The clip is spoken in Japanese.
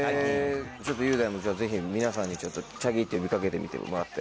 ちょっと雄大もぜひ皆さんに「チャギ」って呼び掛けてみてもらって。